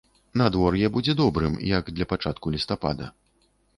Надвор'е будзе добрым, як для пачатку лістапада.